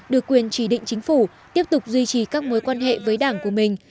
được quyền chỉ định chính phủ tiếp tục duy trì các mối quan hệ với đảng của mình